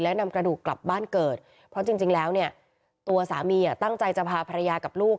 และนำกระดูกกลับบ้านเกิดเพราะจริงแล้วเนี่ยตัวสามีตั้งใจจะพาภรรยากับลูก